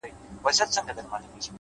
نظم د بریالیتوب خاموش اصل دی’